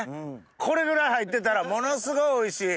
これぐらい入ってたらものすごいおいしい。